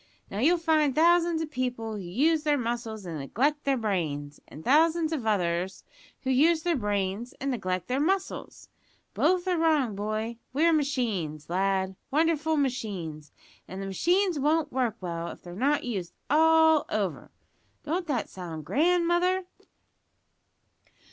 Now, you'll find thousands of people who use their muscles and neglect their brains, and thousands of others who use their brains and neglect their muscles. Both are wrong, boy; we're machines, lad wonderful machines and the machines won't work well if they're not used all over.' Don't that sound grand, mother?"